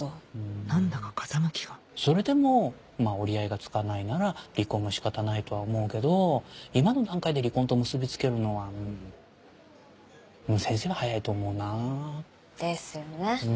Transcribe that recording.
何だか風向きがそれでも折り合いがつかないなら離婚も仕方ないとは思うけど今の段階で離婚と結びつけるのは先生は早いと思うな。ですよね。